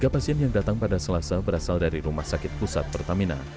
tiga pasien yang datang pada selasa berasal dari rumah sakit pusat pertamina